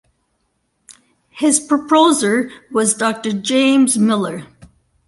His proposer was Dr James Miller.